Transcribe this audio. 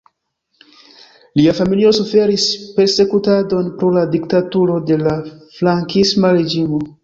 Lia familio suferis persekutadon pro la diktaturo de la frankisma reĝimo.